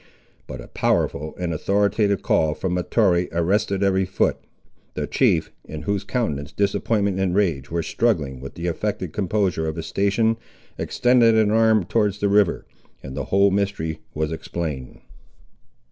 But a powerful and authoritative call from Mahtoree arrested every foot. The chief, in whose countenance disappointment and rage were struggling with the affected composure of his station, extended an arm towards the river, and the whole mystery was explained.